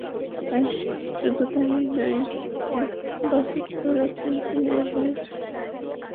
শুধু তা-ই নয়, মেজবাহ দৌড়েছেন চীনের বার্ডস নেস্টে, রাশিয়ার লুঝনিকি স্টেডিয়ামে।